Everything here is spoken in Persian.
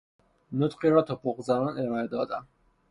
نطقی را تپق زنان ارائه دادن